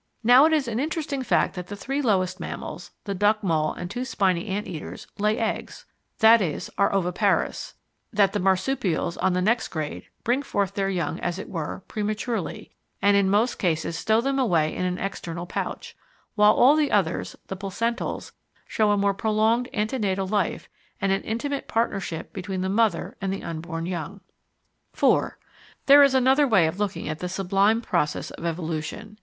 Now it is an interesting fact that the three lowest mammals, the Duckmole and two Spiny Ant eaters, lay eggs, i.e. are oviparous; that the Marsupials, on the next grade, bring forth their young, as it were, prematurely, and in most cases stow them away in an external pouch; while all the others the Placentals show a more prolonged ante natal life and an intimate partnership between the mother and the unborn young. § 4 There is another way of looking at the sublime process of evolution.